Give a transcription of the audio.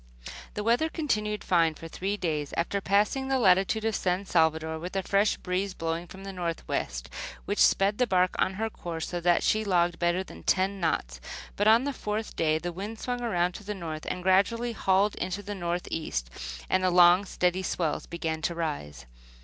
* The weather continued fine for three days, after passing the latitude of San Salvador, with a fresh breeze blowing from the northwest, which sped the bark on her course so that she logged better than ten knots; but on the fourth day the wind swung around to the north and gradually hauled into the northeast, and the long, steady swells began to rise.